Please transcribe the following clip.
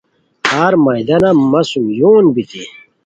ہر میدانہ مہ سُم یوان بیتی